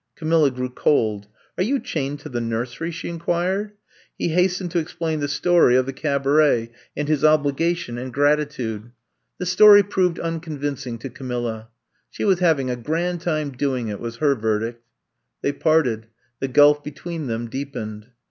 '' Camilla grew cold. '* Are you chained to the nursery f she inquired. He hastened to explain the story of the 150 I'VE COMB TO STAY I cabaret and his obligation and , gratitude. The story proved unconvincing to Camilla. '* She was having a grand time doing it, '' was her verdict. They parted; the gulf between them deepened.